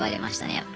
やっぱ。